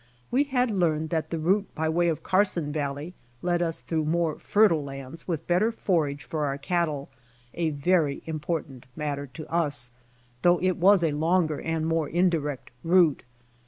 We had learned that the route by way of Carson valley, led us through more fertile lands witli better forage for our cattle, a very important matter to us, though it was a longer and. more indirect route.